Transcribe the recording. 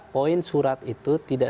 poin surat itu tidak